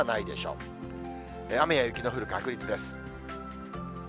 雨や雪の降る確率です。